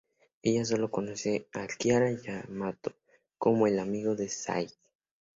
Ella solo conoce a Kira Yamato como el "amigo de Sai".